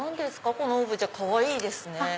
このオブジェかわいいですね。